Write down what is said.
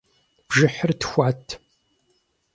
Бжыхьыр тхуат.